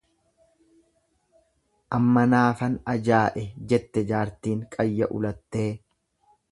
Ammanaafan ajaa'e jette jaartiin qayya ulattee.